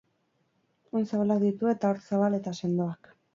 Oin zabalak ditu eta hortz zabal eta sendoak.